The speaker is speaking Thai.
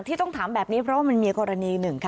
ที่ต้องถามแบบนี้เพราะว่ามันมีกรณีหนึ่งค่ะ